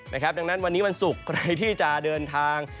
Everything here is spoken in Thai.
ดังนั้นวันนี้วันศุกร์ใครที่จะเดินทาง